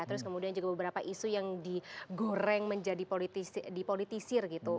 terus kemudian juga beberapa isu yang digoreng menjadi dipolitisir gitu